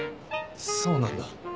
そうなんだ。